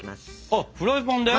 あフライパンで？